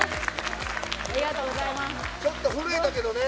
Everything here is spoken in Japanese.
ちょっと震えたけどね